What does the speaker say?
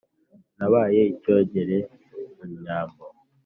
nabaye icyogere mu nyambo